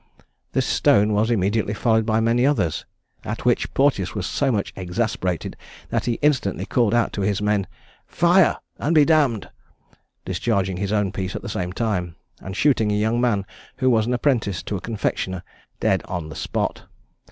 This stone was immediately followed by many others; at which Porteous was so much exasperated, that he instantly called out to his men, "Fire, and be d d!" discharging his own piece at the same time, and shooting a young man, who was apprentice to a confectioner, dead on the spot.